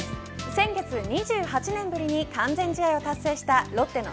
先月２８年ぶりに完全試合を達成したロッテの